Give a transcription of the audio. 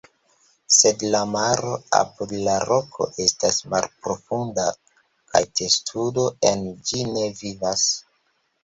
Sed la maro apud la roko estas malprofunda kaj testudoj en ĝi ne vivas.